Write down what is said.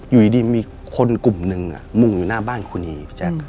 อยู่ดีมีคนกลุ่มนึงมุ่งอยู่หน้าบ้านโครนี